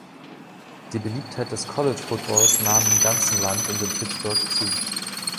Die Beliebtheit des College-Footballs nahm im ganzen Land und in Pittsburgh zu.